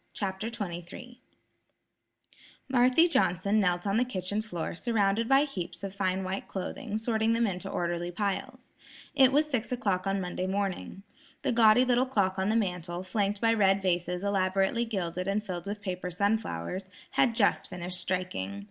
CHAPTER XXIII Marthy Johnson knelt on the kitchen floor surrounded by heaps of fine white clothing sorting them into orderly piles. It was six o'clock on Monday morning. The gaudy little clock on the mantel, flanked by red vases elaborately gilded and filled with paper sunflowers, had just finished striking.